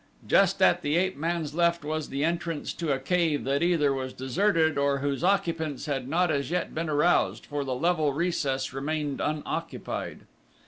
Just at the ape man's left was the entrance to a cave that either was deserted or whose occupants had not as yet been aroused, for the level recess remained unoccupied.